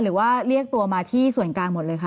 หรือว่าเรียกตัวมาที่ส่วนกลางหมดเลยค่ะ